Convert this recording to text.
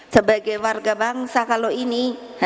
sebagai warga bangsa kalau ini